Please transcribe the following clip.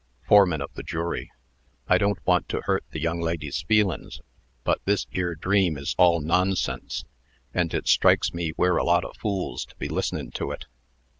FOREMAN OF THE JURY. "I don't want to hurt the young lady's feelin's, but this 'ere dream is all nonsense; and it strikes me we're a lot o' fools to be listenin' to it.